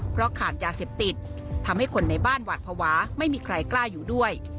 เพราะขาดยาเสพติดทำให้คนในบ้านหวาดภาวะไม่มีใครกล้าอยู่ด้วย